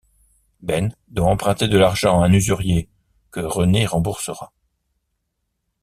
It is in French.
Ben doit emprunter de l'argent à un usurier, que Renee remboursera.